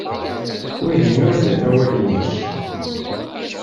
Wihin ur d amawal-nnek?